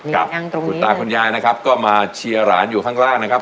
คุณตาคุณยายนะครับก็มาเชียร์หลานอยู่ข้างล่างนะครับ